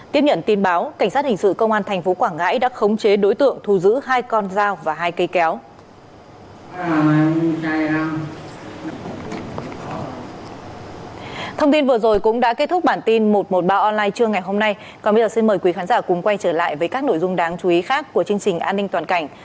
tiếp nhận tin báo cảnh sát hình sự công an tp quảng ngãi đã khống chế đối tượng thu giữ hai con dao và hai cây kéo